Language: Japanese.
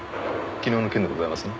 昨日の件でございますね？